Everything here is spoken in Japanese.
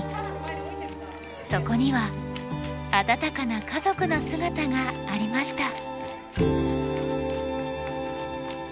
そこには温かな家族の姿がありました。